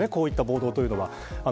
こういった暴動は。